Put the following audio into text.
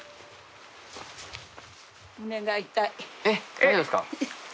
えっ？